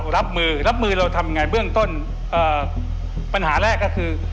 รับมือเราทำอย่างไรเบื้องต้นปัญหาแรกก็คือ